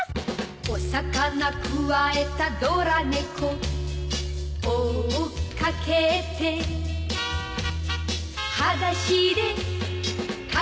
「お魚くわえたドラ猫」「追っかけて」「はだしでかけてく」